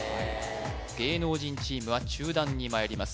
芸能人チームは中段にまいります